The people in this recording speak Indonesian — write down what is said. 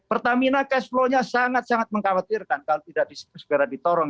pertamina cash flow nya sangat sangat mengkhawatirkan kalau tidak segera ditorong